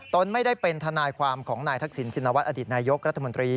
ตนไม่ได้เป็นทนายความของนายทักษิณชินวัฒนอดีตนายกรัฐมนตรี